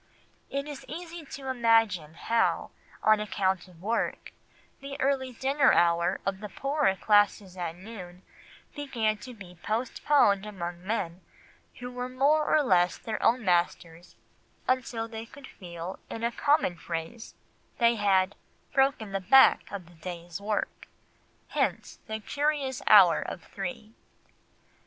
It is easy to imagine how, on account of work, the early dinner hour of the poorer classes at noon began to be postponed among men who were more or less their own masters until they could feel, in a common phrase, they had "broken the back of the day's work"; hence the curious hour of three.